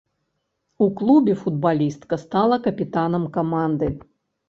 У клубе футбалістка стала капітанам каманды.